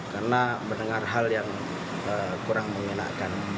karena mendengar hal yang kurang memenangkan